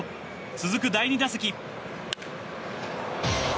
続く第２打席。